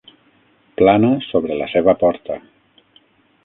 Plana sobre la seva porta.